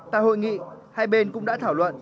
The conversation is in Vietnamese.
tại hội nghị hai bên cũng đã thảo luận